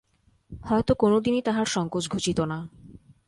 হয়তো কোনোদিনই তাহার সংকোচ ঘুচিত না।